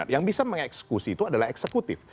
yang bisa mengeksekusi itu adalah eksekutif